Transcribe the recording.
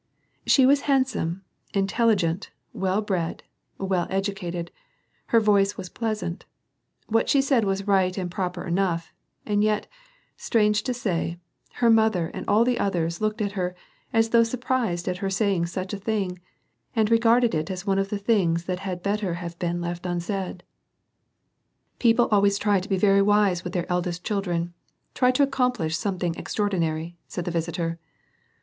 She was handsome, intelligent, well bred, well educated, her voice was pleasant, what she said was right and proper enough, and yet, strange to say, her mother and all the others looked at her, as though surprised at her saying such a thing, and regarded it as one of the things that had better have been left unsaid. "People always try to be very wise with their eldest children, — try to accomplish something extraordinary," said the visitor.